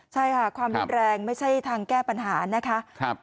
ใช่ค่ะความรุนแรงไม่ใช่ทางแก้ปัญหานะคะ